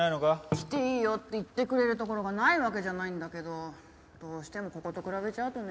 「来ていいよ」って言ってくれるところがないわけじゃないんだけどどうしてもここと比べちゃうとね。